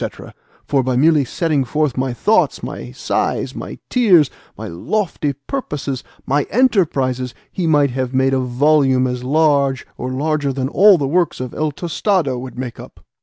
for by merely setting forth my thoughts, my sighs, my tears, my lofty purposes, my enterprises, he might have made a volume as large, or larger than all the works of El Tostado would make up.